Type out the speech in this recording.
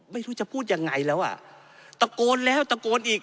ไม่รู้จะพูดยังไงแล้วอ่ะตะโกนแล้วตะโกนอีก